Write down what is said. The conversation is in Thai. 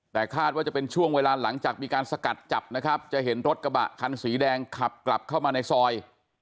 แต่คาดว่าจะเป็นช่วงเวลาหลังจากมีการสกัดจับนะครับจะเห็นรถกระบะคันสีแดงขับกลับเข้ามาในซอย